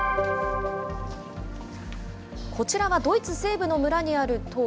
こちらはドイツ西部の村にある塔。